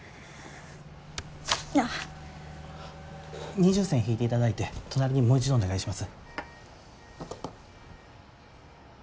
二重線引いていただいて隣にもう一度お願いします。